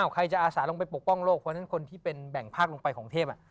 เพราะฉะนั้นคนที่เป็นแบ่งภาคลงไปโรคของเทพ